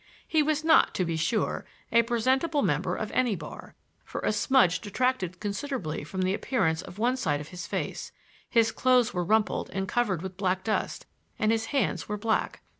He was not, to be sure, a presentable member of any bar, for a smudge detracted considerably from the appearance of one side of his face, his clothes were rumpled and covered with black dust, and his hands were black.